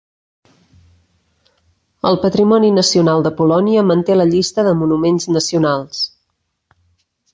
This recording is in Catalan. El Patrimoni Nacional de Polònia manté la llista de monuments nacionals.